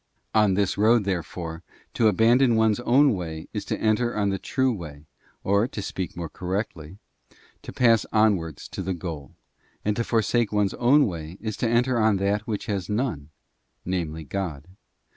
On. this road, therefore, to abandon one's own way is to enter on the true way, or, to speak more correctly, to pass onwards to the goal; and to forsake one's own way is to enter on that which has none, namely God.